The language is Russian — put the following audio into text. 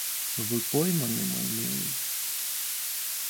Вы пойманы, мой милый.